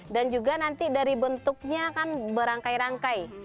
dan juga nanti dari bentuknya kan berangkai rangkai